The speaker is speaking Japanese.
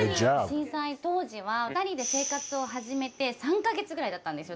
震災当時は生活を始めて３か月ぐらいだったんですよ。